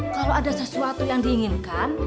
kalau ada sesuatu yang diinginkan